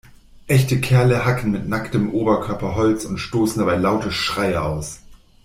Echte Kerle hacken mit nacktem Oberkörper Holz und stoßen dabei laute Schreie aus.